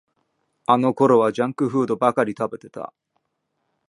あのころはジャンクフードばかり食べてた